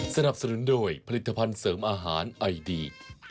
สนับสนุนโดยผลิตภัณฑ์เสริมอาหารไอดี